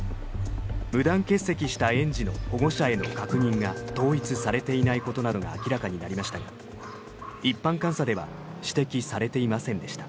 無断欠席した園児の保護者への確認が統一されていないことなどが明らかになりましたが一般監査では指摘されていませんでした。